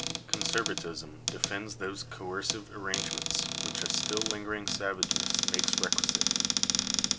Conservatism defends those coercive arrangements which a still lingering savageness makes requisite.